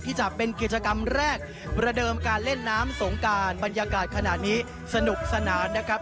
จะเป็นกิจกรรมแรกประเดิมการเล่นน้ำสงการบรรยากาศขณะนี้สนุกสนานนะครับ